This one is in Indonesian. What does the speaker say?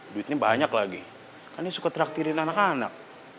duitnya banyak lagi kan ini suka traktirin anak anak